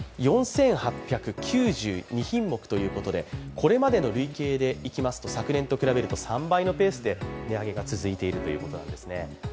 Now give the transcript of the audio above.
これまでの累計でいきますと昨年と比べると３倍のペースで値上げが続いているということなんですね。